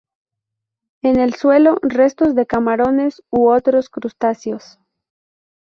En el suelo, restos de camarones u otros crustáceos.